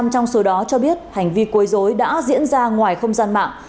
hai mươi trong số đó cho biết hành vi quấy rối đã diễn ra ngoài không gian mạng